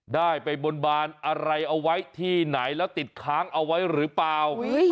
ได้ไปบนบานอะไรเอาไว้ที่ไหนแล้วติดค้างเอาไว้หรือเปล่า